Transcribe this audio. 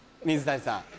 水谷さん。